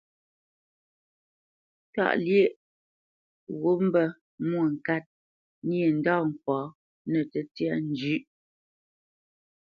Tâʼ lyéʼ wût mbə́ Mwôŋkát nyê ndâ ŋkwǎ nə́ tə́tyā njʉ̌ʼ.